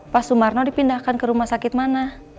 pak sumarno dipindahkan ke rumah sakit mana